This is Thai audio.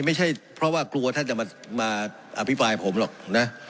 ไม่ใช่เพราะว่ากลัวท่านจะมาอภิปรายผมหรอกนะ